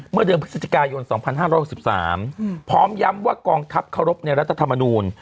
เมื่อเดือนพฤศจิกายน๒๕๖๓พร้อมย้ำว่ากองทัพเคารพในรัฐธรรมนูล